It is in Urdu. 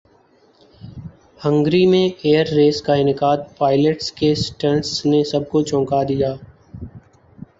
ہنگری میں ایئر ریس کا انعقادپائلٹس کے سٹنٹس نے سب کو چونکا دیا